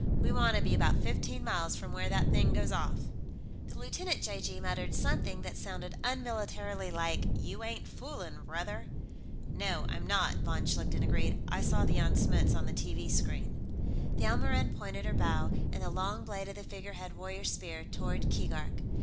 We want to be about fifteen miles from where that thing goes off." The lieutenant (j.g.) muttered something that sounded unmilitarily like, "You ain't foolin', brother!" "No, I'm not," von Schlichten agreed. "I saw the Jan Smuts on the TV screen." The Elmoran pointed her bow, and the long blade of the figurehead warrior's spear, toward Keegark.